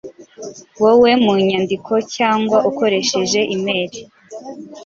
wowe mu nyandiko cyangwa ukoresheje imeri